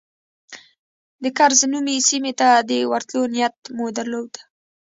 د کرز نومي سیمې ته د ورتلو نیت مو درلود.